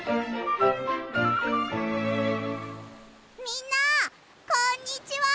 みんなこんにちは！